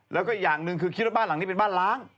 แล้วก็อย่างหนึ่งคือคิดว่าบ้านหลังนี้เป็นบ้านล้าง